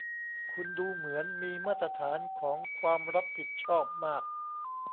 คุณดูเหมือนมีมาตรฐานของความรับผิดชอบมาก